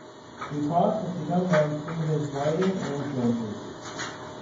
Ducasse has become known through his writing and influences.